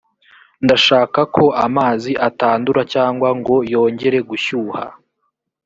ndashaka ko amazi atandura cyangwa ngo yongere gushyuha